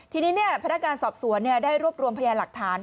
ทีนี้พนักงานสอบสวนได้รวบรวมพยานหลักฐาน